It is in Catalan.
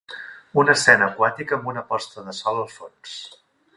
Una escena aquàtica amb una posta de sol al fons.